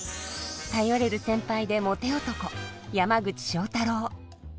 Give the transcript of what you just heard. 頼れる先輩でモテ男山口正太郎。